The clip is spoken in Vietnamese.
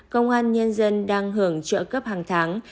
công an nhân dân đang hưởng trợ cấp hàng tháng